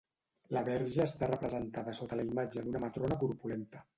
La verge està representada sota la imatge d'una matrona corpulenta.